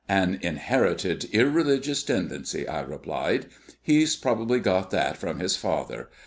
"An inherited irreligious tendency," I replied. "He's probably got that from his father.